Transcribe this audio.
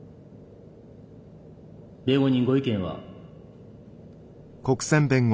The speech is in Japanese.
弁護人ご意見は？